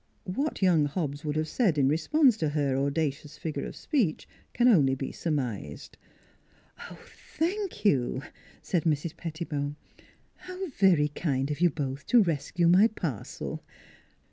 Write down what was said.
What young Hobbs would have said in response to her audacious figure of speech can only be surmised. " Oh thank you!" said Mrs. Pettibone. " How very kind of you both to rescue my parcel!